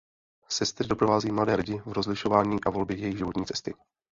Sestry doprovázejí mladé lidi v rozlišování a volbě jejich životní cesty.